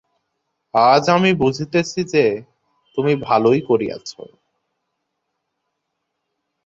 আজ আমি বুঝিতেছি যে, তুমি ভালোই করিয়াছ।